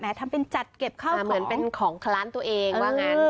ทำเป็นจัดเก็บข้าวเหมือนเป็นของคล้านตัวเองว่างั้น